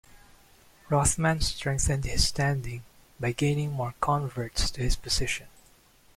Rothmann strengthened his standing by gaining more converts to his position.